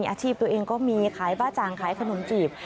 อาชีพตัวเองก็มีขายบ้าจ่างขายขนมจีบ